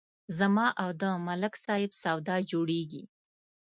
زما او د ملک صاحب سودا جوړېږي